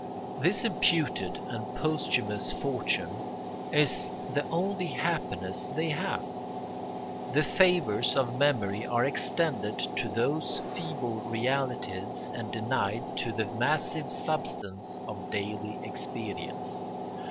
This imputed and posthumous fortune is the only happiness they have. The favours of memory are extended to those feeble realities and denied to the massive substance of daily experience.